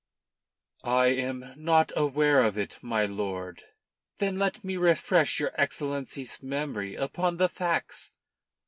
"I am not aware of it, my lord." "Then let me refresh your Excellency's memory upon the facts.